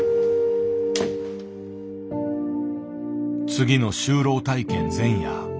次の就労体験前夜。